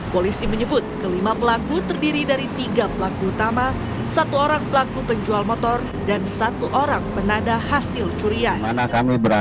polisi menyebut kelima pelaku terdiri dari tiga pelaku